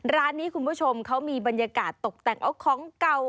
ร้านนี้คุณผู้ชมเขามีบรรยากาศตกแต่งเอาของเก่า